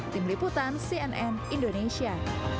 tim liputan cnn indonesia